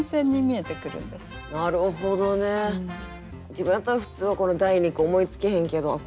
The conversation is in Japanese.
自分やったら普通はこの第二句思いつけへんけどああ